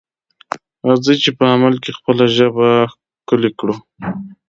راځئ چې په عمل کې خپله ژبه ښکلې کړو.